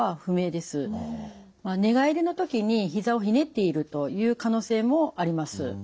寝返りの時にひざをひねっているという可能性もあります。